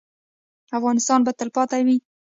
افغانستان به تلپاتې وي